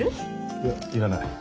いやいらない。